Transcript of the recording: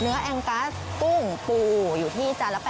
เนื้อแอนกัสปุ้งปูอยู่ที่จานละ๘๐บาท